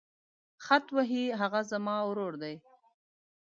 خط وهي هغه زما ورور دی.